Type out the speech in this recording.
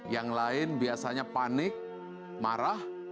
yang lain biasanya panik marah